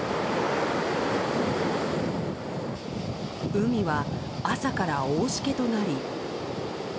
海は朝から大しけとなり。